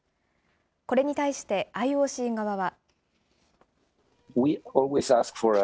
これに対してＩＯＣ側は。